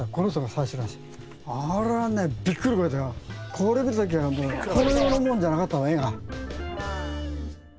これ見た時はもうこの世のもんじゃなかったもん画が。